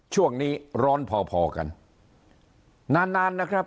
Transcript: ช่วงนี้ร้อนพอพอกันนานนานนะครับ